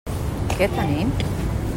Què tenim?